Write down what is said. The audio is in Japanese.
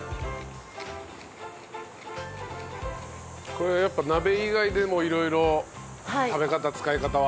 これやっぱ鍋以外でも色々食べ方使い方はあるんですか？